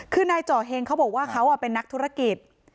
คือนายจ่อเฮงเขาบอกว่าเขาเป็นนักธุรกิจ